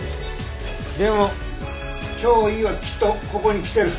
でも張怡はきっとここに来てる。